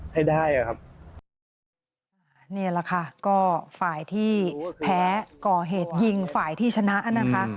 ให้ได้อ่ะครับนี่แหละค่ะก็ฝ่ายที่แพ้ก่อเหตุยิงฝ่ายที่ชนะนะคะ